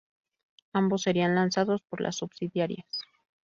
Ambos serían lanzados por las subsidiarias.